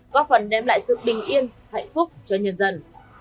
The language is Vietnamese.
có phần đem lại sự bình yên hạnh phúc cho nhân dân